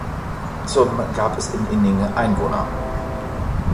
Zum gab es in Inning Einwohner.